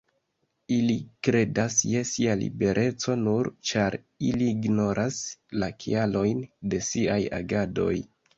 Ili kredas je sia libereco nur ĉar ili ignoras la kialojn de siaj agadoj.